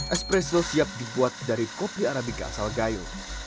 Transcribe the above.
espresso siap dibuat dari kopi arabica asal gayo